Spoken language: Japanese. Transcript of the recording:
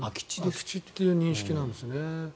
空き地という認識なんですね。